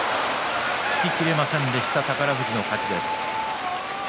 突ききれませんでした宝富士の勝ちです。